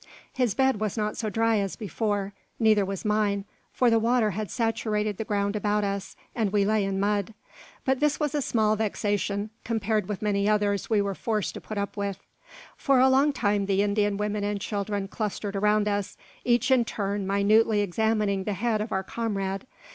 His bed was not so dry as before; neither was mine, for the water had saturated the ground about us, and we lay in mud. But this was a small vexation, compared with many others we were forced to put up with. For a long time the Indian women and children clustered around us, each in turn minutely examining the head of our comrade.